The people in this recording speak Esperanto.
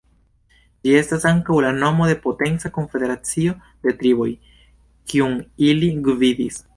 Ĝi estas ankaŭ la nomo de potenca konfederacio de triboj, kiun ili gvidis.